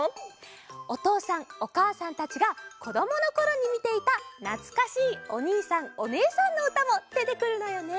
おとうさんおかあさんたちがこどものころにみていたなつかしいおにいさんおねえさんのうたもでてくるのよね！